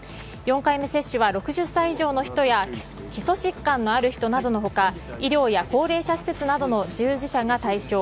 ４回目接種は６０歳以上の人や基礎疾患のある人などの他医療や高齢者施設などの従事者が対象。